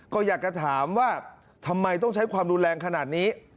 ก็อยากจะถามว่าทำไมต้องใช้ความรุนแรงขนาดนี้